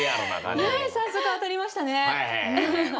早速当たりましたね。